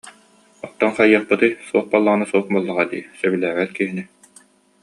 Оттон хайыахпытый, суох буоллаҕына суох буоллаҕа дии, сөбүлээбэт киһини